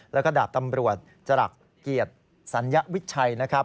และกระดาษตำรวจจรักษ์เกียรติศัลยวิชัย